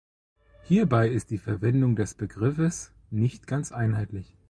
Hierbei ist die Verwendung des Begriffes nicht ganz einheitlich.